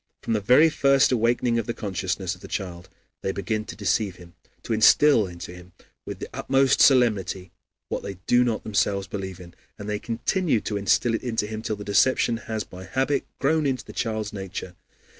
From the very first awakening of the consciousness of the child they begin to deceive him, to instill into him with the utmost solemnity what they do not themselves believe in, and they continue to instill it into him till the deception has by habit grown into the child's nature.